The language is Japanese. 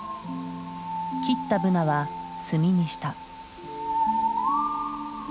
切ったブナは炭にした。